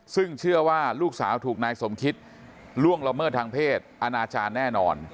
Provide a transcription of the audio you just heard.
ซึ่งเชื่อว่าลูกสาวถูกนายสมคิตล่วงละเมิดทางเพศอนาจารย์แน่นอน